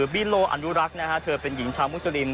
บีโลอนุรักษ์นะฮะเธอเป็นหญิงชาวมุสลิม